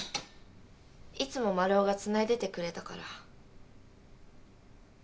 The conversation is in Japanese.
いつもマルオがつないでてくれたから。